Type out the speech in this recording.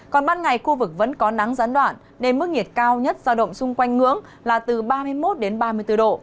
còn ban ngày khu vực vẫn có nắng gián đoạn nên mức nhiệt cao nhất giao động xung quanh ngưỡng là từ ba mươi một đến ba mươi bốn độ